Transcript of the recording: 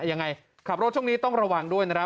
ยังไงขับรถช่วงนี้ต้องระวังด้วยนะครับ